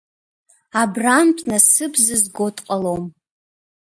Абрантә насыԥ зызго дҟалом.